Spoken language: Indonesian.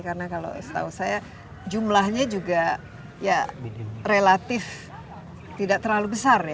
karena kalau setahu saya jumlahnya juga ya relatif tidak terlalu besar ya